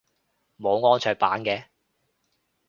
冇安卓版嘅？